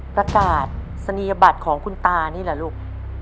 ประกาศศนียบัตรของคุณตานี่แหละลูก